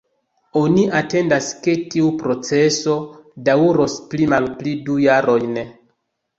Oni atendas ke tiu proceso daŭros pli malpli du jarojn.